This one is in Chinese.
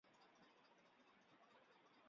现在人们用作夹着垃圾。